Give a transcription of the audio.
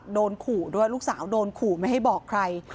โดนขู่ด้วยลูกสาวโดนขู่ไม่ให้บอกใคร